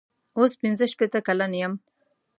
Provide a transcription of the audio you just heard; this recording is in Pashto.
اوس پنځه شپېته کلن یم.